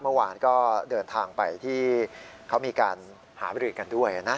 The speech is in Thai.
เมื่อวานก็เดินทางไปที่เขามีการหาบริกันด้วยนะ